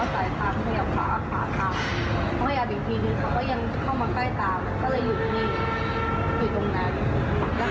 แต่โชคดีที่ว่ามีรถขี่ผ่านมาเป็นรถใหญ่